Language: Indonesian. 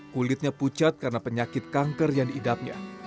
kulitnya pucat karena penyakit kanker yang diidapnya